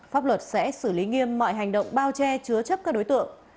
pháp luật sẽ xử lý nghiêm mọi hành động bao che chứa chấp các đối tượng